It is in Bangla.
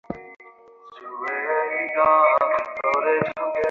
এসব জিনিস নিয়ে তুমি কখনো বিব্রত হও নি।